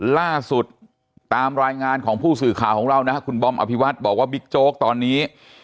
ล่าสุดตามรายงานของผู้สื่อข่าวของเรานะครับคุณบอมอภิวัฒน์บอกว่าบิ๊กโจ๊กตอนนี้